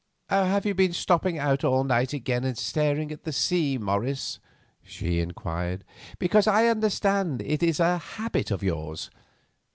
"Have you been stopping out all night again and staring at the sea, Morris?" she inquired; "because I understand it is a habit of yours.